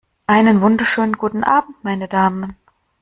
Einen wunderschönen guten Abend, meine Damen!